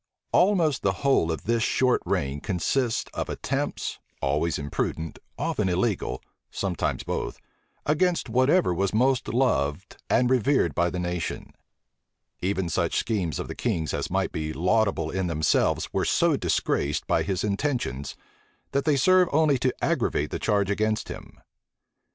Almost the whole of this short reign consists of attempts, always imprudent, often illegal, sometimes both, against whatever was most loved and revered by the nation: even such schemes of the king's as might be laudable in themselves were so disgraced by his intentions, that they serve only to aggravate the charge against him.